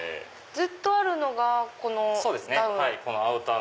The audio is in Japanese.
ずっとあるのがこのダウン。